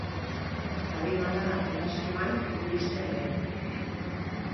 Sabino Arana Fundazioan ibili zen ere.